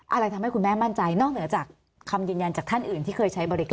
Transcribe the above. อะไรทำให้คุณแม่มั่นใจนอกเหนือจากคำยืนยันจากท่านอื่นที่เคยใช้บริการ